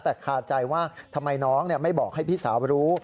แต่คาใจว่าทำไมน้องไม่บอกให้พี่สาวรู้